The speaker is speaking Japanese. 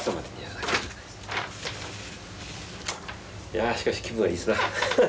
いやしかし気分がいいですな。